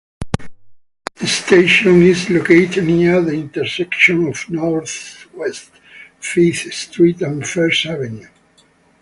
This station is located near the intersection of Northwest Fifth Street and First Avenue.